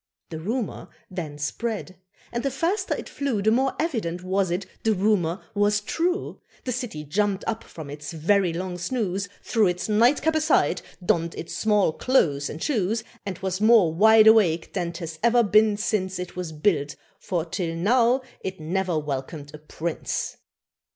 The rumour then spread, and the faster it flew, The more evident was it the rumour was true. The city jumped up from its very long snooze, Threw its nightcap aside, donned its small clothes and shoes, And was more wide awake than't has ever been since It was built for till now it ne'er welcomed a Prince!